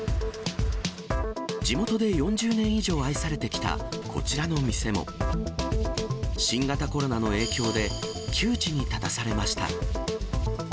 地元で４０年以上愛されてきたこちらの店も、新型コロナの影響で、窮地に立たされました。